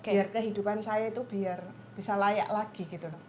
biar kehidupan saya itu biar bisa layak lagi